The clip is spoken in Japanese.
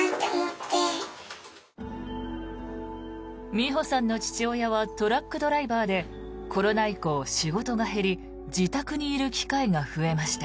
みほさんの父親はトラックドライバーでコロナ以降、仕事が減り自宅にいる機会が増えました。